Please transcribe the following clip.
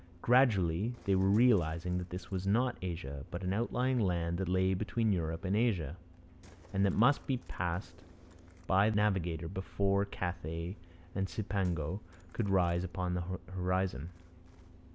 Gradually they were realizing that this was not Asia, but an outlying land that lay between Europe and Asia and that must be passed by the navigator before Cathay and Cipango could rise upon the horizon.